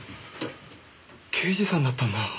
刑事さんだったんだ。